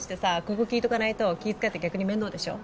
ここ聞いとかないと気使い合って逆に面倒でしょ？